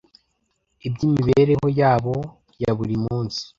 iby'imibereho yabo ya buri munsi.